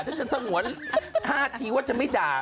ถ้าจะสงวนท่าทีว่าจะไม่ด่า